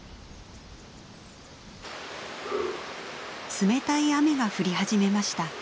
冷たい雨が降り始めました。